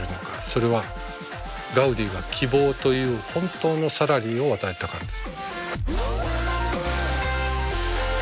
それはガウディが希望という本当のサラリーを与えたからです。